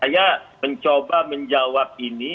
saya mencoba menjawab ini